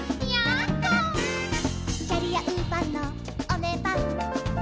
「キャリア・ウーパンのおねえパン」「」